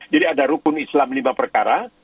jadi ada rukun islam lima perkara